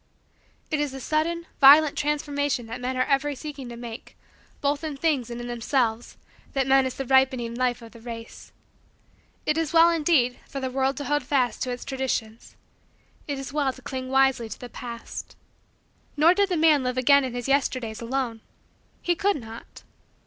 It is the sudden, violent, transformations that men are ever seeking to make, both in things and in themselves, that menace the ripening life of the race. It is well, indeed, for the world to hold fast to its Traditions. It is well to cling wisely to the past. Nor did the man live again in his Yesterdays alone. He could not.